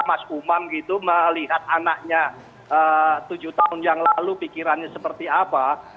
mas umam gitu melihat anaknya tujuh tahun yang lalu pikirannya seperti apa